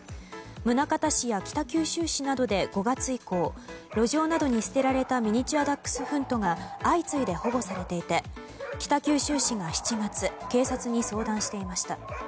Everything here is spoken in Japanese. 宗像市や北九州市などで５月以降路上などに捨てられたミニチュアダックスフントが相次いで保護されていて北九州市が７月警察に相談していました。